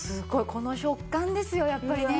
この食感ですよやっぱりね。